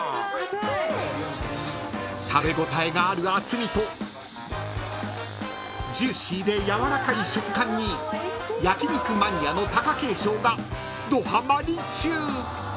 ［食べ応えがある厚みとジューシーでやわらかい食感に焼き肉マニアの貴景勝がどはまり中］